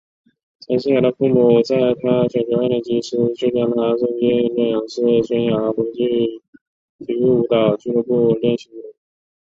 陈世瑶的父母在她小学二年级时就将她送进洛阳市春芽国际体育舞蹈俱乐部练习舞蹈。